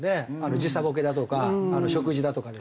時差ボケだとか食事だとかですね。